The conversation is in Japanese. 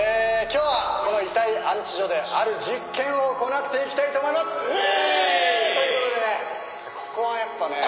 今日はこの遺体安置所である実験を行っていきたいと思いますメェ！ということでここはやっぱね。